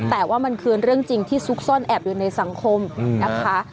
แต่ว่ามันคือเรื่องจริงที่ซุกซ่อนแอบอยู่ในสังคมนะคะ